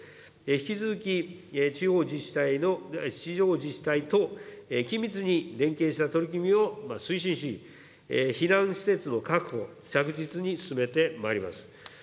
引き続き地方自治体と緊密に連携した取り組みを推進し、避難施設の確保、着実に進めてまいります。